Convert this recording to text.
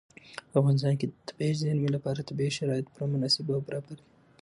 په افغانستان کې د طبیعي زیرمې لپاره طبیعي شرایط پوره مناسب او برابر دي.